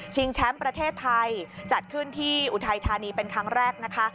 แชมป์ประเทศไทยจัดขึ้นที่อุทัยธานีเป็นครั้งแรกนะคะ